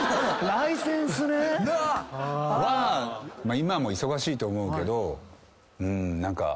今も忙しいと思うけど何か。